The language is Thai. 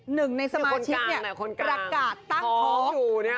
หนึ่งในสมาชิกเนี่ยประกาศตั้งท้อง